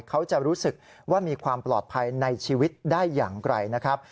เขาจะรู้สึกว่ามีความปลอดภัยในชีวิตได้อย่างไกลนะครับ